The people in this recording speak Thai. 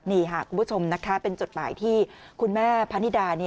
นี่ค่ะคุณผู้ชมนะคะเป็นจดหมายที่คุณแม่พะนิดา